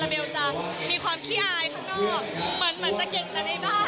โดยเจ้าตัวมองว่าลูกของเธอเนี่ยน่าจะชื่นชอบวงการบันเทิงอยู่ไม่น้อยค่ะ